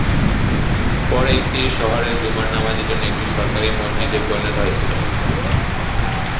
পরে এটি শহরের জুমার নামাজের জন্য একটি সরকারী মসজিদে পরিণত হয়েছিল।